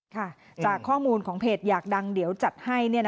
ค่ะจากข้อมูลของเพจอยากดังเดี๋ยวจัดให้